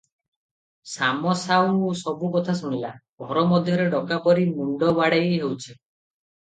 ଶାମ ସାଉ ସବୁ କଥା ଶୁଣିଲା, ଘର ମଧ୍ୟରେ ଡକା ପାରି ମୁଣ୍ଡ ବାଡ଼େଇ ହେଉଛି ।